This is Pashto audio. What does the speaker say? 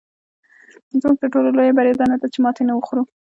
زموږ تر ټولو لویه بریا دا نه ده چې ماتې نه خورو.